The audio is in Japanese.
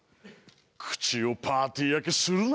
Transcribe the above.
口をパーティー開けするな。